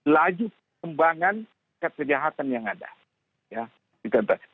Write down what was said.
laju kembangan kesejahteraan yang ada